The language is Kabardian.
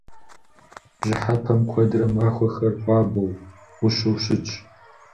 Бжьыхьэпэм куэдрэ махуэхэр хуабэу, гъущэу щытщ.